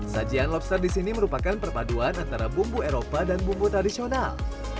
sajian lobster di sini merupakan perpaduan antara bumbu eropa dan bumbu tradisional